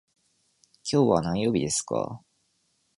今日は何曜日ですか。